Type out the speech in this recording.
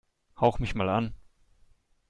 Hauch mich mal an!